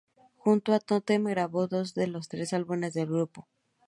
Junto a Tótem grabó dos de los tres álbumes del grupo.